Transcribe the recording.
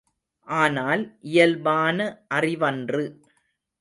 ஆனால் இயல்பான அறிவன்று.